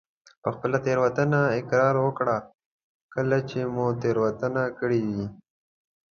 په خپله تېروتنه اقرار وکړه کله چې مو تېروتنه کړي وي.